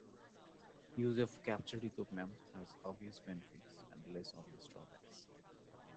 Use of captured equipment has obvious benefits and less-obvious drawbacks.